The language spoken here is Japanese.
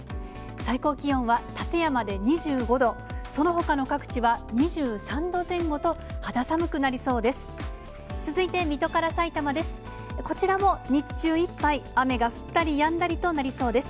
最高気温は館山で２５度、そのほかの各地は２３度前後と、肌寒くなりそうです。